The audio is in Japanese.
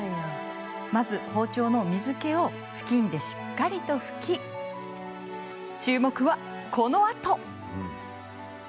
まず包丁の水けを布巾でしっかりとふき注目はこのあと。